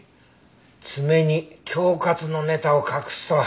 爪に恐喝のネタを隠すとは。